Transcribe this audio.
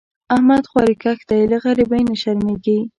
احمد خواریکښ دی؛ له غریبۍ نه شرمېږي.